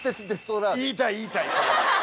言いたい言いたい。